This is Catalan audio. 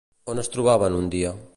On es trobaven un dia?